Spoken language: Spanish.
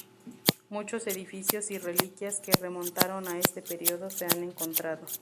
Muchos edificios y reliquias que remontaron a este periodo se han encontrado.